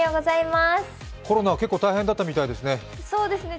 コロナは結構大変だったみたいですね。